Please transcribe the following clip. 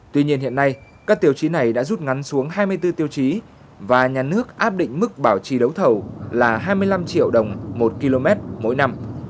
tuy nhiên hiện nay các tiêu chí này đã rút ngắn xuống hai mươi bốn tiêu chí và nhà nước áp định mức bảo trì đấu thầu là hai mươi năm triệu đồng một km mỗi năm